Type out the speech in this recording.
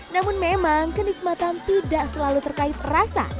namun memang kenikmatan tidak selalu terkait rasa